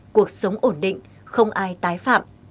cuộc sống ổn định không ai tái phạm